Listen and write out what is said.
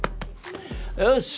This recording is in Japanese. よし！